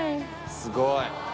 すごい。